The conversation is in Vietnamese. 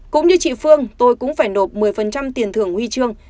cũng như chị phương tôi cũng phải nộp một mươi tiền thưởng huy chương